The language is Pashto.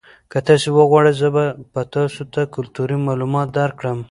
که تاسي وغواړئ زه به تاسو ته کلتوري معلومات درکړم.